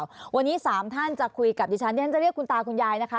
วันนี้๓ท่านจะคุยกับดิฉันที่ฉันจะเรียกคุณตาคุณยายนะคะ